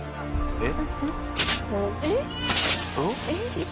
えっ？